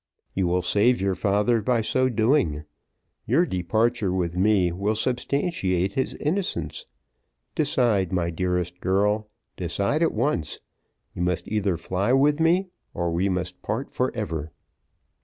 "You will save your father by so doing. Your departure with me will substantiate his innocence; decide, my dearest girl; decide at once; you must either fly with me, or we must part for ever."